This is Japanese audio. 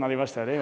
今。